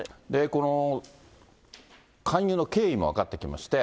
この勧誘の経緯も分かってきました。